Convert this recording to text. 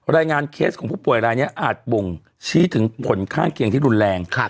เคสของผู้ป่วยรายนี้อาจบ่งชี้ถึงผลข้างเคียงที่รุนแรง